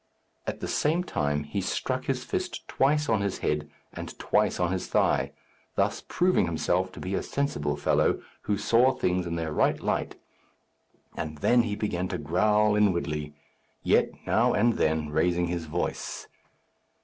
At the same time he struck his fist twice on his head and twice on his thigh, thus proving himself to be a sensible fellow, who saw things in their right light; and then he began to growl inwardly, yet now and then raising his voice.